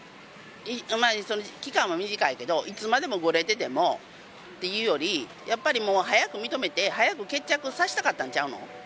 期間は短いけど、いつまでもごねてても、っていうより、やっぱり早く認めて、早く決着させたかったんちゃうの？